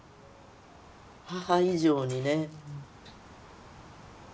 母以上にね。